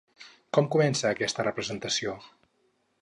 Com comença aquesta representació?